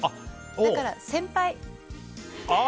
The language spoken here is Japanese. だから、先輩。